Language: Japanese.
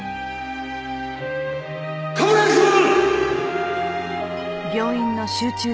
冠城くん！！